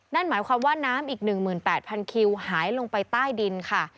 นั่นหมายความว่าน้ำอีก๑๘๐๐คิวหายลงไปใต้ดินค่ะ